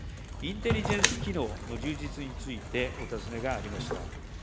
インテリジェンス機能の充実についてお尋ねがありました。